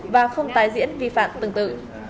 và không tái diễn vi phạm tương tự